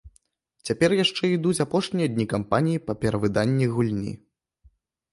Цяпер яшчэ ідуць апошнія дні кампаніі па перавыданні гульні.